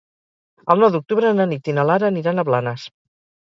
El nou d'octubre na Nit i na Lara aniran a Blanes.